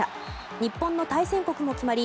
日本の対戦国も決まり